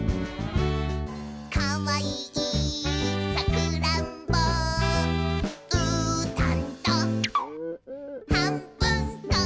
「かわいいさくらんぼ」「うーたんとはんぶんこ！」